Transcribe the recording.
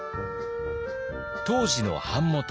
当時の版元